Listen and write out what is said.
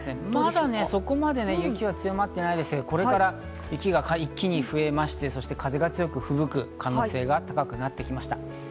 まだそこまで雪は強まってないですけど、これから雪が一気に増えまして、風が強く吹雪く可能性が高くなってきました。